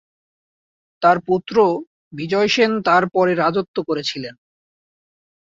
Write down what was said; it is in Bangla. তাঁর পুত্র বিজয় সেন তাঁর পরে রাজত্ব করেছিলেন।